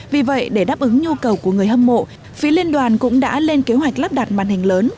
vì vậy để đáp ứng nhu cầu của người hâm mộ phía liên đoàn cũng đã lên kế hoạch lắp đặt màn hình lớn